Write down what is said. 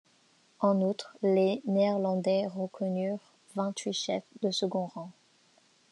En outre, les Néerlandais reconnurent vingt-huit chefs de second rang.